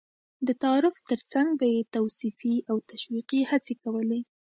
د تعارف تر څنګ به یې توصيفي او تشويقي هڅې کولې.